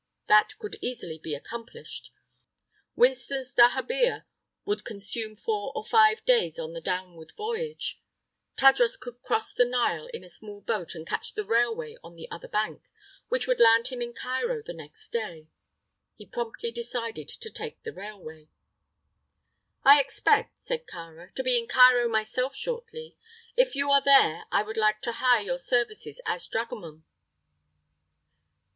That could easily be accomplished. Winston's dahabeah would consume four or five days on the downward voyage. Tadros could cross the Nile in a small boat and catch the railway on the other bank, which would land him in Cairo the next day. He promptly decided to take the railway. "I expect," said Kāra, "to be in Cairo myself shortly. If you are there, I would like to hire your services as dragoman."